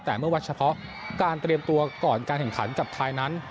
แต่เมื่อวัดเฉพาะการเตรียมตัวก่อนการแข่งขันกับไทยนั้น